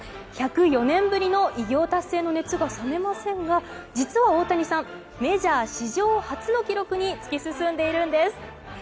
１０４年ぶりの偉業達成の熱が冷めませんが実は大谷さんメジャー史上初の記録に突き進んでいるんです。